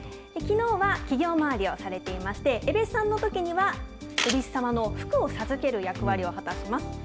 きのうは企業回りをされていまして、えべっさんのときには、えびす様の福を授ける役を果たします。